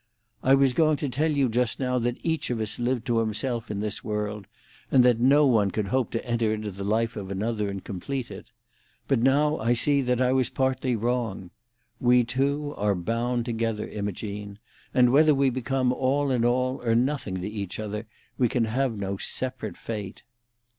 "I was going to tell you just now that each of us lived to himself in this world, and that no one could hope to enter into the life of another and complete it. But now I see that I was partly wrong. We two are bound together, Imogene, and whether we become all in all or nothing to each other, we can have no separate fate."